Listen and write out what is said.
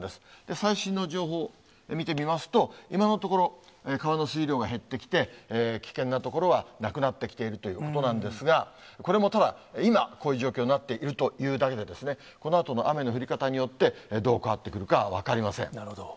最新の情報、見てみますと、今のところ、川の水量が減ってきて、危険な所はなくなってきているということなんですが、これもただ、今、こういう状況になっているというだけで、このあとの雨の降り方によって、どう変わってくるかは分かりません。